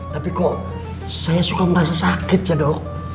tapi kok saya suka merasa sakit ya dok